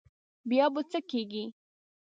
بیا به څه کېږي.